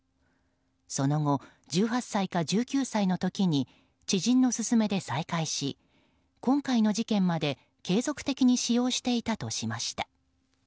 その後、１８歳か１９歳の時に知人の勧めで再開し今回の事件まで継続的に使用していたとしました。